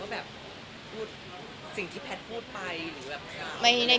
ว่าแบบสิ่งที่แพทย์พูดไป